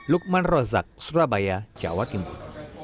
lukman rozak surabaya jawa timur